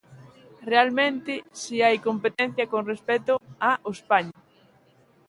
Realmente, si hai competencia con respecto a Ospaña.